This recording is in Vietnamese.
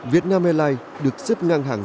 việt nam airlines được xếp ngang hàng